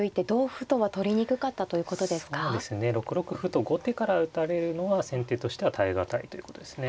６六歩と後手から打たれるのは先手としては耐えがたいということですね。